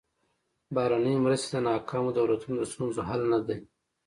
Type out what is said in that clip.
بهرنۍ مرستې د ناکامو دولتونو د ستونزو حل نه دي.